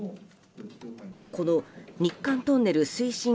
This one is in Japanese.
この日韓トンネル推進